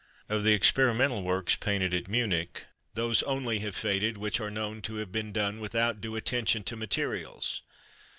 Of the experimental works painted at Munich, those only have faded which are known to have been done without due attention to the materials.